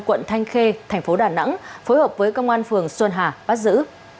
quận thanh khê thành phố đà nẵng phối hợp với công an phường xuân hà bắt giữ